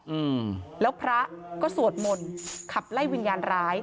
อืมแล้วพระก็สวดมนต์ขับไล่วิญญาณร้าย